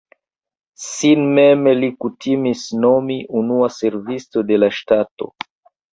Sin mem li kutimis nomi "unua servisto de la ŝtato".